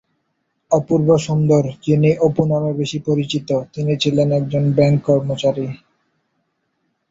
অপূর্ব সুন্দর, যিনি অপু নামে বেশি পরিচিত, তিনি ছিলেন একজন ব্যাঙ্ক কর্মচারী।